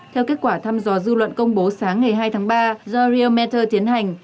theo kết quả thăm dò dư luận công bố sáng ngày hai tháng ba do realmeter tiến hành